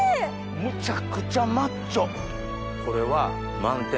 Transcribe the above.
むちゃくちゃマッチョ！